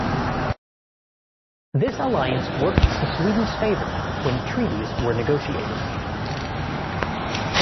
This alliance worked to Sweden's favor when treaties were negotiated.